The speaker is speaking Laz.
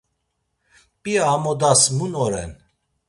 P̌ia ham odas mun oren?